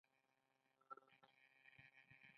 د ایران سمندري ځواک په خلیج کې دی.